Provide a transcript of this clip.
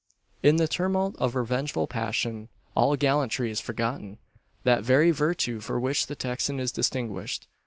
In the tumult of revengeful passion, all gallantry is forgotten, that very virtue for which the Texan is distinguished.